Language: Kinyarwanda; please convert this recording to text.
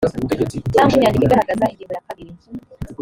cyangwa inyandiko igaragaza ingingo ya kabiri